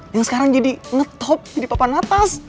yang sekarang jadi ngetop jadi papanatas